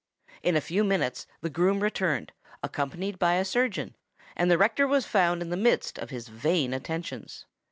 In a few minutes the groom returned, accompanied by a surgeon; and the rector was found in the midst of his vain attentions.